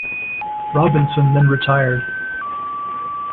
Robinson then retired.